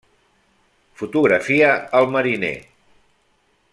Fotografia el mariner.